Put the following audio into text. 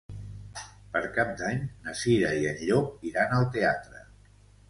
Per Cap d'Any na Cira i en Llop iran al teatre.